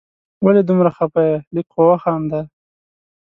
ولي دومره خفه یې ؟ لږ خو وخانده